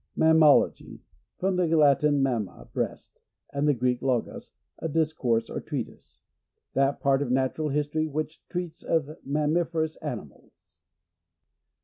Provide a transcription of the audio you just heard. Mammalogy. — From the Latin, mam ma, breast, and the Greek, logos, a discourse or treatise. That part of Natural History which tieats of mammiferons animals.